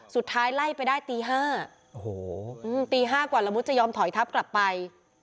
สุดท้ายไล่ไปได้ตี๕โอ้โหตี๕กว่าละมุดจะยอมถอยทับกลับไป